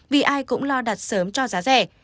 vì ai cũng lo đặt sớm cho giá rẻ